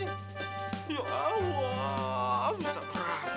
ya allah abis abang